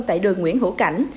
tại đường nguyễn hữu cảnh